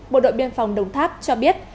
bộ đội biên phòng đồng tháp cho biết